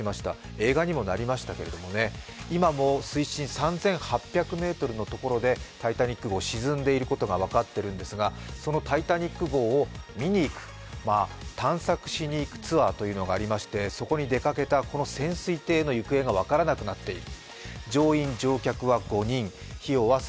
映画にもなりましたけど今も水深３８００ｍのところで「タイタニック」号沈んでいることが分かっているんですが、その「タイタニック」号を見に行く、探索しに行くツアーというのがありまして、そこに出かけたこの潜水艇の行方が分からなくなっている。